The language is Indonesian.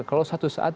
kalau satu saat